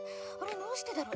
どうしてだろう。